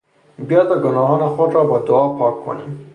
بیا تا گناهان خود را با دعا پاک کنیم.